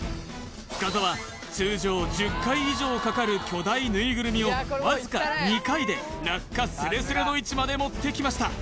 深澤通常１０回以上かかる巨大ぬいぐるみをわずか２回で落下スレスレの位置までもってきました